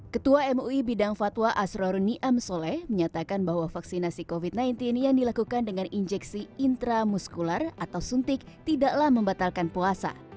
ketua mui bidang fatwa asrorun niam soleh menyatakan bahwa vaksinasi covid sembilan belas yang dilakukan dengan injeksi intramuskular atau suntik tidaklah membatalkan puasa